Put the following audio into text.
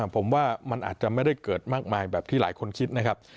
ผมว่ามันอาจจะไม่ได้เกิดมากมายแบบที่หลายคนคิดนะครับ